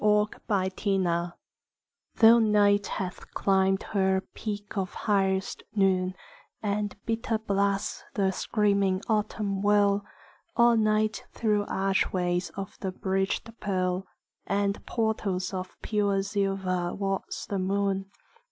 XVI =Sonnet= Though Night hath climbed her peak of highest noon, And bitter blasts the screaming autumn whirl, All night through archways of the bridgèd pearl And portals of pure silver walks the moon.